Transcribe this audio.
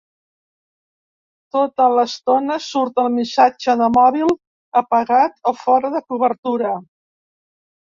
Tota l'estona surt el missatge de mòbil apagat o fora de cobertura.